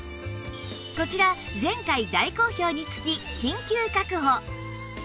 こちら前回大好評につき緊急確保